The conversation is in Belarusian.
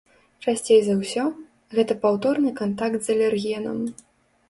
Часцей за ўсё, гэта паўторны кантакт з алергенам.